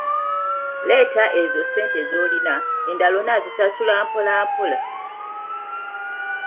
Leeta ezo ssente zolina, endala on'ozisasula mpolampola.